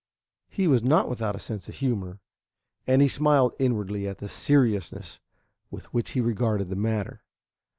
He was not without a sense of humor, and he smiled inwardly at the seriousness with which he regarded the matter.